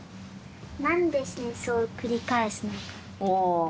何で戦争を繰り返すのかって。